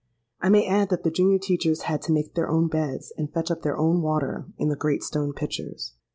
I may add that the junior teachers had to make their own beds, and fetch up their own water in the great stone pitchers.